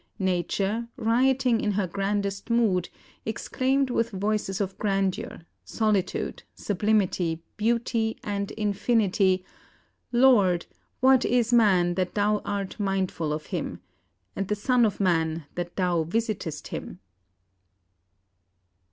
Nature, rioting in her grandest mood, exclaimed with voices of grandeur, solitude, sublimity, beauty, and infinity, 'Lord, what is man, that Thou art mindful of him? and the son of man, that Thou visitest him?'"